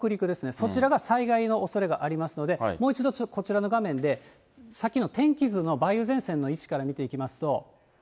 そちらが災害のおそれがありますので、もう一度こちらの画面で、さっきの天気図の梅雨前線の位置から見ていきますと。